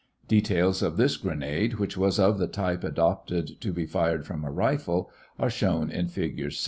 Details of this grenade, which was of the type adopted to be fired from a rifle, are shown in Fig.